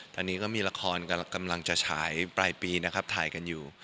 ตอนนี้ก็มีละครกำลังจะฉายปลายปีนะครับถ่ายกันอยู่